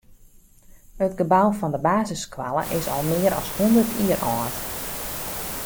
It gebou fan de basisskoalle is al mear as hûndert jier âld.